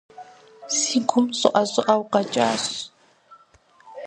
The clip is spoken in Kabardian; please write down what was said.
Си гум щӀыӀэ-щӀыӀэу къэкӀащ.